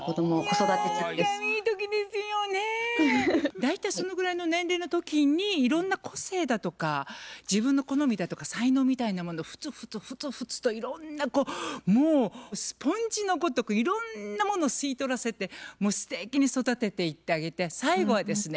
大体そのぐらいの年齢の時にいろんな個性だとか自分の好みだとか才能みたいなものふつふつふつふつといろんなこうもうスポンジのごとくいろんなもの吸い取らせてすてきに育てていってあげて最後はですね